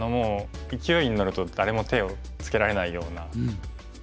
勢いに乗ると誰も手をつけられないような。